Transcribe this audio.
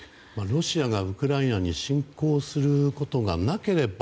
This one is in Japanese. ロシアがウクライナに侵攻することがなければ